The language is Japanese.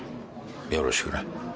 よろしくな。